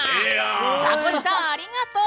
ザコシさん、ありがとう！